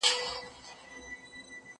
زه اجازه لرم چي سينه سپين وکړم؟!